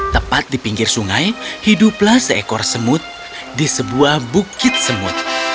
tepat di pinggir sungai hiduplah seekor semut di sebuah bukit semut